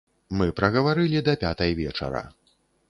Мы прагаварылі да пятай вечара.